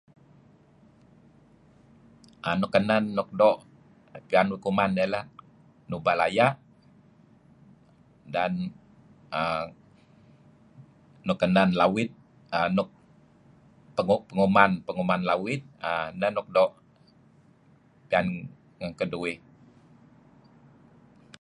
um Nukanan nuk do pian uih kuman yalah, nubah la'yah dan[um]nukanan lawid [um]nuk [um]paguman paguman lawid[aah] nah nuk[um] do pian ngan kadu'uih